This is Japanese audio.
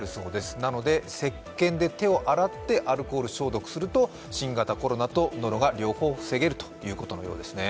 なのでせっけんで手を洗ってアルコール消毒をすると新型コロナとノロが両方防げるということだそうです。